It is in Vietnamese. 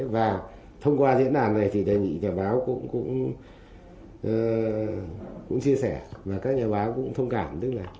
và thông qua diễn đàn này thì đại dị và báo cũng chia sẻ và các nhà báo cũng thông cảm